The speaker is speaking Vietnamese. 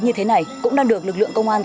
như thế này cũng đang được lực lượng công an